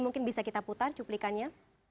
mungkin bisa kita putar cuplikannya